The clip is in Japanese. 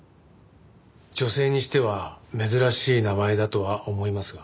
女性にしては珍しい名前だとは思いますが。